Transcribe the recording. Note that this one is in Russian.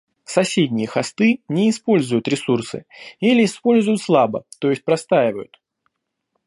Соседние хосты не используют ресурсы или используют слабо, то есть простаивают